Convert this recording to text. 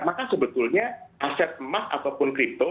maka sebetulnya aset emas ataupun kripto